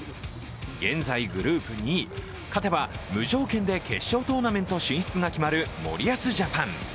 現在グループ２位、勝てば無条件で決勝トーナメント進出が決まる森保ジャパン。